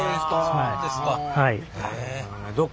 そうですか。